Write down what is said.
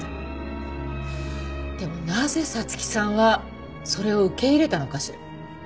でもなぜ彩月さんはそれを受け入れたのかしら？